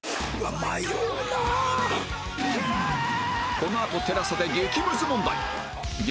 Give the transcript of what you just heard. このあと ＴＥＬＡＳＡ で激ムズ問題激